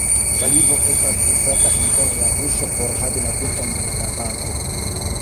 Salivo estas uzata inter la buŝo por havi la guston de la tabako.